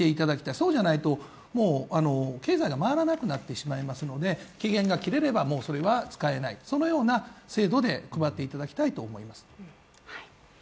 そうじゃないと、経済が回らなくなってしまいますので期限が切れればそれは使えないというような制度で配っていただきたいと思います。